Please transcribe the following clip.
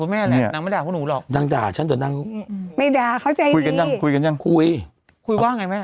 ไม่ด่าเขาใจดีคุยกันยังคุยกันยังคุยคุยว่าไงแม่